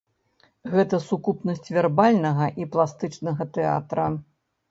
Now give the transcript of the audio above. Гэта сукупнасць вербальнага і пластычнага тэатра.